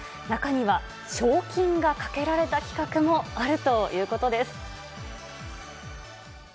中には賞金が懸けられた企画もあるということです。